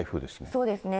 そうですね。